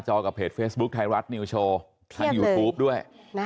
ใช่ค่ะคือตรงจริงโอลิฟต์เป็นห่วงอยู่นี่ด้วย